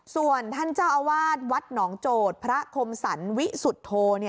ส่วนท่านเจ้าอาวาสวัดหนองโจทย์พระคมสรรวิสุทธโธ